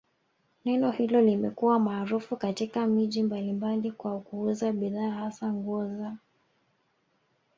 neno hilo limekuwa maarufu katika miji mbalimbali kwa kuuza bidhaa hasa nguo za